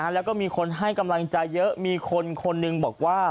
แล้วก็มีคนให้กำลังใจเยอะมีคนคนหนึ่งบอกว่า